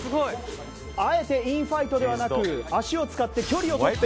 あえてインファイトではなく足を使って距離を取って。